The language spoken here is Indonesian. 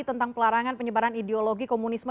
tentang pelarangan penyebaran ideologi komunisme